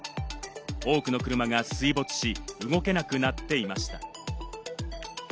多くの車が水没し、動けなくなっていました。